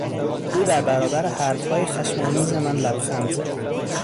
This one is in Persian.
او در برابر حرفهای خشم آمیز من لبخند زد.